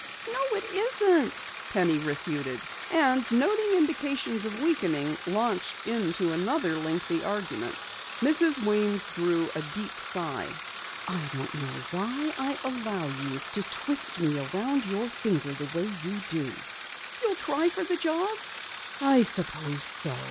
"No, it isn't," Penny refuted, and noting indications of weakening, launched into another lengthy argument. Mrs. Weems drew a deep sigh. "I don't know why I allow you to twist me around your finger the way you do." "You'll try for the job?" "I suppose so.